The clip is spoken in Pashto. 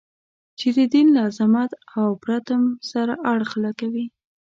چې د دین له عظمت او پرتم سره اړخ لګوي.